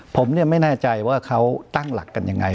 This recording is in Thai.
ผมไม่แน่ใจว่าเขาตั้งหลักกันยังไง